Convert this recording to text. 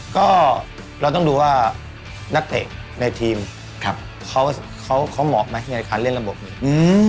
ก็เราต้องดูว่านักเตะในทีมเขาเหมาะไหมในการเล่นระบบนี้